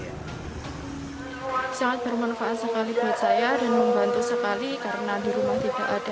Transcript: sangat bermanfaat sekali buat saya dan membantu sekali karena di rumah tidak ada